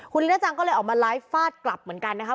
คุณลิน่าจังก็เลยออกมาไลฟ์ฟาดกลับเหมือนกันนะคะ